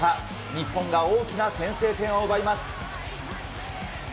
日本が大きな先制点を奪います。